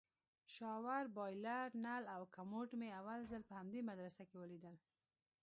شاور بايلر نل او کموډ مې اول ځل په همدې مدرسه کښې وليدل.